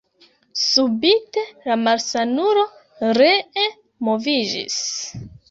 Subite la malsanulo ree moviĝis.